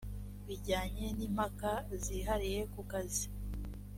bijyanye n impaka zihariye ku kazi